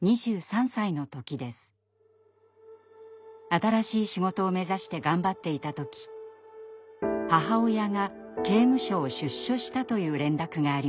新しい仕事を目指して頑張っていた時母親が刑務所を出所したという連絡がありました。